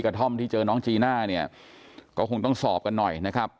แต่ตอนนี้น่าจะไปได้ค่ะ